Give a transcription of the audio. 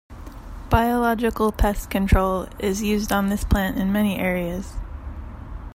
Biological pest control is used on this plant in many areas.